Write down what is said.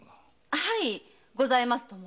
はいございますとも。